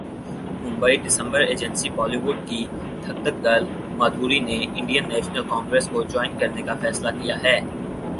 Mumbai December agency Bollywood کی دھک دھک گرل مادھوری نے انڈین نیشنل کانگرس کو جائن کرنے کا فیصلہ کیا ہے